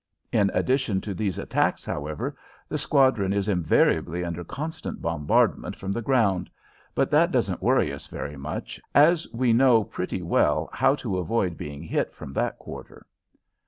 In addition to these attacks, however, the squadron is invariably under constant bombardment from the ground, but that doesn't worry us very much, as we know pretty well how to avoid being hit from that quarter.